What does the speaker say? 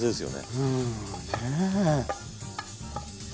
うんねえ。